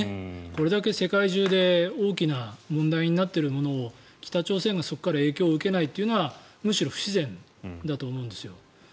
これだけ世界中で大きな問題になっているものを北朝鮮がそこから影響を受けないというのはむしろ不自然だと思うんですよ。